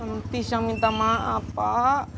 entis yang minta maaf pak